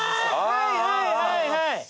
はいはいはいはい。